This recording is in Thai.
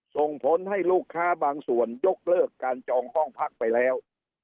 ส่งผลให้ลูกค้าบางส่วนยกเลิกการจองห้องพักไปแล้ว